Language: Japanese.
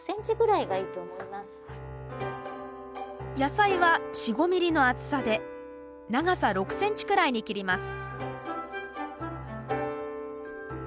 野菜は４５ｍｍの厚さで長さ６ｃｍくらいに切ります